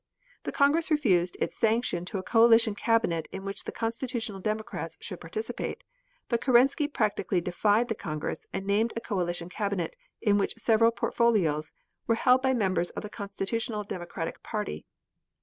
The congress refused its sanction to a coalition cabinet in which the Constitutional Democrats should participate, but Kerensky practically defied the congress, and named a coalition cabinet, in which several portfolios were held by members of the Constitutional Democratic Party.